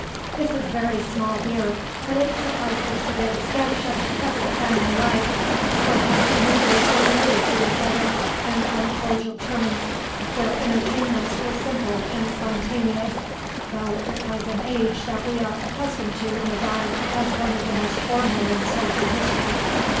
This is very small beer, but it suffices to give a sketch of the pleasant family life, where half the neighbours were related to each other and on cordial terms, where entertainments were simple and spontaneous, though it was an age that we are accustomed to regard as one of the most formal in social history.